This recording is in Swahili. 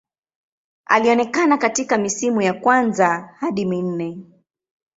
Alionekana katika misimu ya kwanza hadi minne.